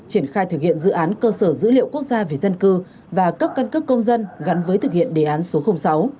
triển khai thực hiện dự án cơ sở dữ liệu quốc gia về dân cư và cấp căn cấp công dân gắn với thực hiện đề án số sáu